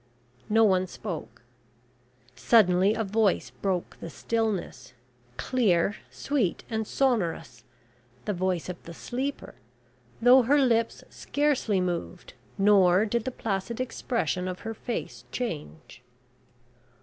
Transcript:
No one spoke. Suddenly a voice broke the stillness clear, sweet, and sonorous the voice of the sleeper, though her lips scarcely moved, nor did the placid expression of her face change.